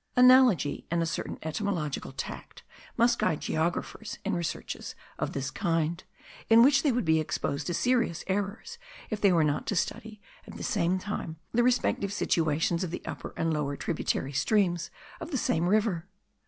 Analogy and a certain etymological tact must guide geographers in researches of this kind, in which they would be exposed to serious errors, if they were not to study at the same time the respective situations of the upper and lower tributary streams of the same river.